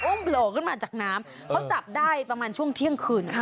โหลขึ้นมาจากน้ำเขาจับได้ประมาณช่วงเที่ยงคืนค่ะ